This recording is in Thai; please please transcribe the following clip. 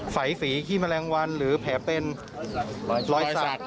ฝัยฝีขี้แมลงวันหรือแผลเป็นรอยสัก